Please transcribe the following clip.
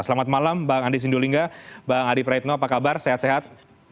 selamat malam bang andi sindulingga bang adi praetno apa kabar sehat sehat